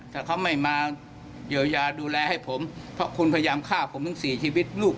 ถ้าเขาไม่มาอย่าดูแลให้ผมเพราะคุณโพธิ์ยามข้าวผมสิบชีวิต